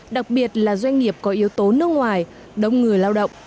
đặc biệt là doanh nghiệp có yếu tố nước ngoài đông người lao động